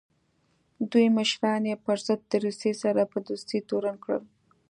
دوی مشران یې پر ضد د روسیې سره په دوستۍ تورن کړل.